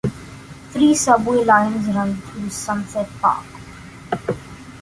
Three subway lines run through Sunset Park.